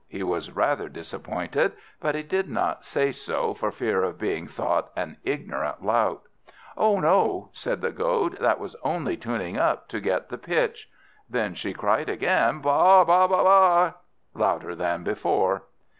He was rather disappointed, but he did not say so, for fear of being thought an ignorant lout. "Oh no," said the Goat, "that was only tuning up, to get the pitch." Then she cried again, "Baa baa baa," louder than before.